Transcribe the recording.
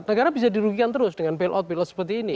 negara bisa dirugikan terus dengan bail out bail out seperti ini